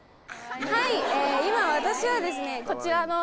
はい今私はですねこちらの。